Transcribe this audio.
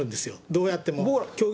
どうやっても。